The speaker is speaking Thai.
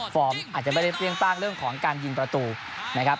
ฟอร์มอาจจะไปเล่นเปลี่ยงป้างเรื่องของการยิงประตูนะครับ